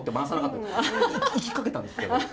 いきかけたんですけど。